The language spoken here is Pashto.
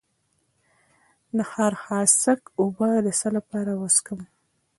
د خارخاسک اوبه د څه لپاره وڅښم؟